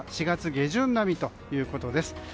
４月下旬並みということです。